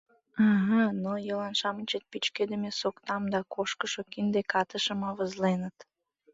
А-а, ныл йолан-шамычет пӱчкедыме соктам да кошкышо кинде катышым авызленыт.